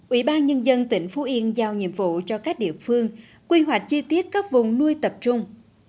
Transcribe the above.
ủy ban nhân dân tỉnh phú yên giao nhiệm vụ cho các địa phương quy hoạch chi tiết các vùng nuôi tập trung